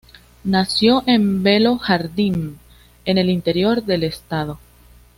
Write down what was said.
Nació en Belo Jardim, en el interior del estado.